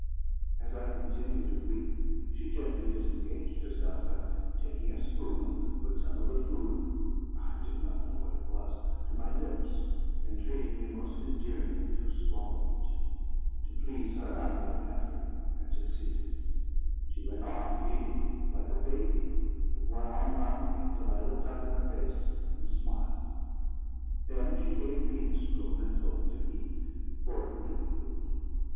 As I continued to weep, she gently disengaged herself, and, taking a spoon, put some of the food (I did not know what it was) to my lips, entreating me most endearingly to swallow it. To please her, I made an effort, and succeeded. She went on feeding me like a baby, with one arm round me, till I looked up in her face and smiled: then she gave me the spoon and told me to eat, for it would do me good.